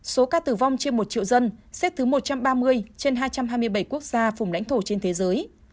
số ca tử vong trên một triệu dân xếp thứ một trăm ba mươi trên hai trăm hai mươi bảy quốc gia vùng lãnh thổ trên thế giới